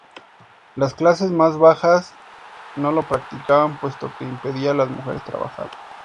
Las clases más bajas no lo practicaban puesto que impedía a las mujeres trabajar.